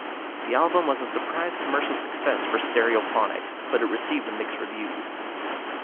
The album was a surprise commercial success for Stereophonics but it received mixed reviews.